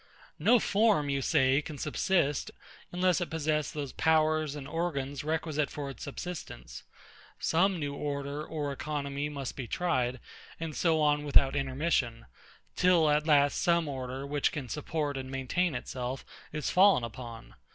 No form, you say, can subsist, unless it possess those powers and organs requisite for its subsistence: some new order or economy must be tried, and so on, without intermission; till at last some order, which can support and maintain itself, is fallen upon.